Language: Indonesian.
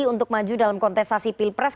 untuk maju dalam kontestasi pilpres